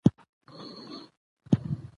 د اسلام پيغمبر ص وفرمايل خدای په نرمي ورکوي.